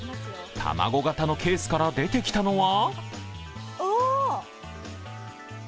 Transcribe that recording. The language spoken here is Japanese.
卵型のケースから出てきたのは？